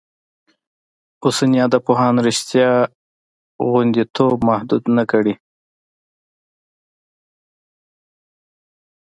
اوسني ادبپوهان رشتیا غوندېتوب محدود نه ګڼي.